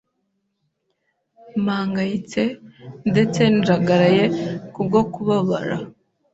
mpangayitse, ndetse njagaraye kubwo kubabara